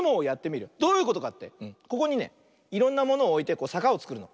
ここにねいろんなものをおいてさかをつくるの。